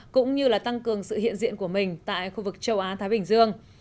cũng như là tăng cường sự hiện diện của mình tại khu vực châu á thái bình dương